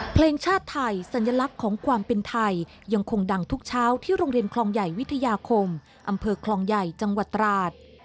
เพลงชาติไทยสัญลักษณ์ของความเป็นไทยยังคงดังทุกเช้าที่โรงเรียนคลองใหญ่วิทยาคมอำเภอคลองใหญ่จังหวัดตราด